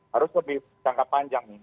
harus lebih jangka panjang nih